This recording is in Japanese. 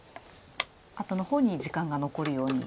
後の方に時間が残るように。